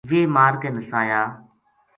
ویہ مار کے نسایا